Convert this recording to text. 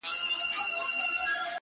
• د شعر مانا له شاعر سره وي -